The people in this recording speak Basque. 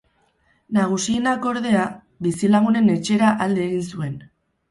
Nagusienak, ordea, bizilagunen etxera alde egin zuen.